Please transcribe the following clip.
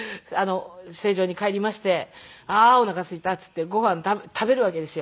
成城に帰りまして「ああおなかすいた」って言ってご飯食べるわけですよ。